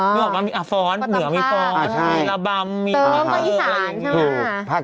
นึกออกว่ามันมีอฟฟ้อนเหนือมีฟองมีระบำ